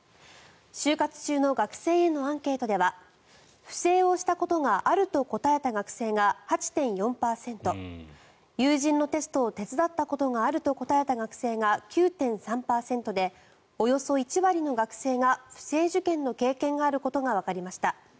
就活中の学生へのアンケートでは不正をしたことがあると答えた学生が８．４％友人のテストを手伝ったことがあると答えた学生が９．３％でおよそ１割の学生が不正受検の経験があることがわかりました。